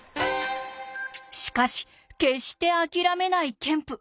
しかし決して諦めないケンプ。